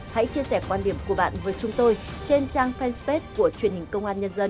hãy chia sẻ quan điểm của bạn với chúng tôi trên trang fanpage của truyền hình công an nhân dân